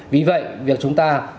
vì vậy việc chúng ta